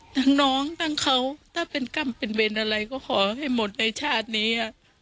น้องทั้งเขาถ้าเป็นกรรมเป็นเวรอะไรก็ขอให้หมดในชาตินี้